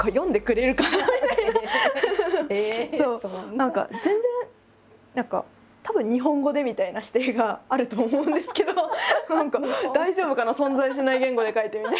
何か全然たぶん「日本語で」みたいな指定があると思うんですけど「大丈夫かな？存在しない言語で書いて」みたいな。